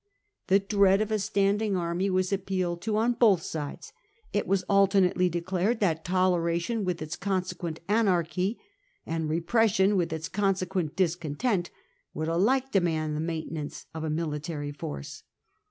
The dread of a standing army was _, appealed to on both sides ; it was alternately the King's declared that toleration with its consequent Marches, anarchy, and repression with its consequent discontent, would alike demand the mainten ance of a military force.